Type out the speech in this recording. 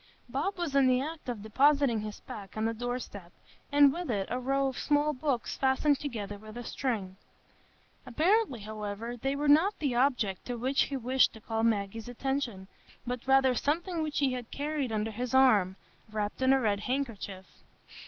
Bob was in the act of depositing his pack on the door step, and with it a row of small books fastened together with string. Apparently, however, they were not the object to which he wished to call Maggie's attention, but rather something which he had carried under his arm, wrapped in a red handkerchief.